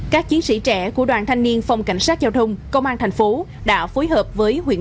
các chiến sĩ trẻ của đoàn thanh niên phòng cảnh sát giao thông công an thành phố đã phối hợp với huyện